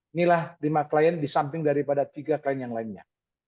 inilah lima klien di samping daripada tiga klien yang lainnya